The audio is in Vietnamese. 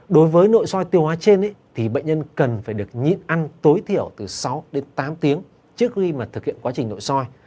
đối với nội soi tiêu hóa trên thì bệnh nhân cần phải được nhịn ăn tối thiểu từ sáu đến tám tiếng trước khi mà thực hiện quá trình nội soi